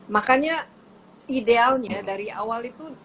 makanya idealnya dari awal itu